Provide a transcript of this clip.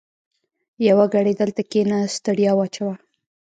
يوه ګړۍ دلته کېنه؛ ستړیا واچوه.